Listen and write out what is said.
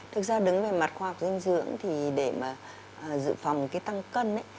thực ra đứng về mặt khoa học dinh dưỡng để giữ phòng tăng cân